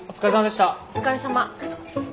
お疲れさまでした。